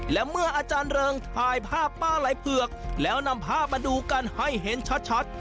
และเมื่ออาจารย์เริงถ่ายภาพป้าไหลเผือกแล้วนำภาพมาดูกันให้เห็นชัด